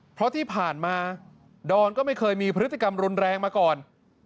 เพราะที่ผ่านมาดอนก็ไม่เคยมีพฤติกรรมรุนแรงมาก่อน